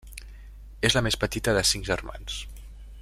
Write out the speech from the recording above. És la més petita de cinc germans.